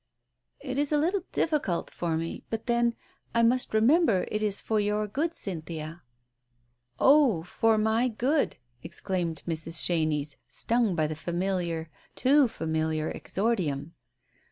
"It is a little difficult for me — but then— I must remember it is for your good, Cynthia." "Oh, for my good! " exclaimed Mrs. Chenies, stung by the familiar, too familiar exordium.